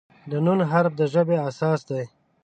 د "ن" حرف د ژبې اساس دی.